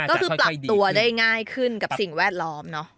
ก็คือปรับตัวได้ง่ายขึ้นกับสิ่งแวดล้อมเนอะ